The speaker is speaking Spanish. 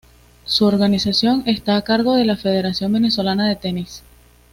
Su organización está a cargo de la Federación Venezolana de Tenis.